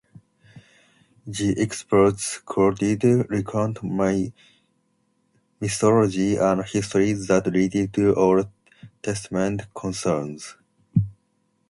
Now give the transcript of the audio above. The excerpts quoted recount mythology and history that relate to Old Testament concerns.